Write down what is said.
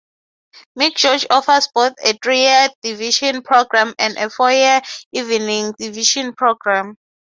McGeorge offers both a three-year day division program and four-year evening division program.